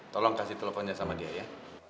tolong kasih teleponnya sama dia ya